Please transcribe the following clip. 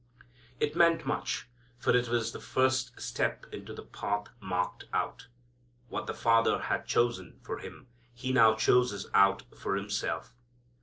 It meant much, for it was the first step into the path marked out. What the Father had chosen for Him, He now chooses out for Himself.